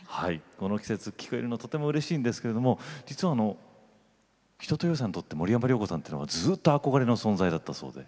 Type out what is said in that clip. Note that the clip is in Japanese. この季節聴けるのとてもうれしいんですけれども実は一青窈さんにとって森山良子さんっていうのはずっと憧れの存在だったそうで。